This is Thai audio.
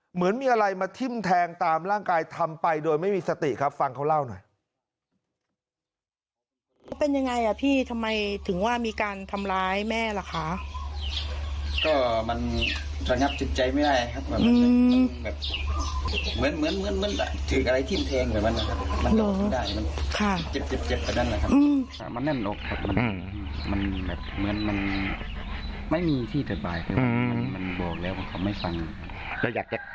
เหมือนมีอะไรมาทิ้มแทงตามร่างกายทำไปโดยไม่มีสติครับฟังเขาเล่าหน่อย